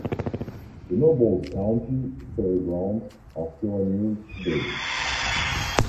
The Nobles County Fairgrounds are still in use today.